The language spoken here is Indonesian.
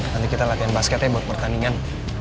nanti kita latihan basketnya buat pertandingan